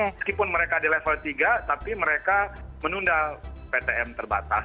meskipun mereka di level tiga tapi mereka menunda ptm terbatas